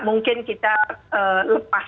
mungkin kita lepas